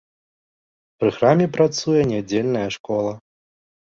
Пры храме працуе нядзельная школа.